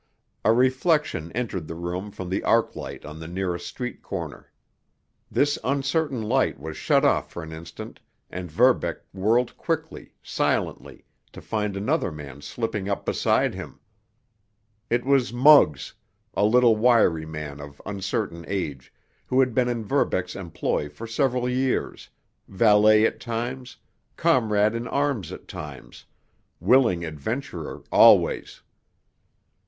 A reflection entered the room from the arc light on the nearest street corner. This uncertain light was shut off for an instant, and Verbeck whirled quickly, silently, to find another man slipping up beside him. It was Muggs—a little, wiry man of uncertain age, who had been in Verbeck's employ for several years, valet at times, comrade in arms at times, willing adventurer always.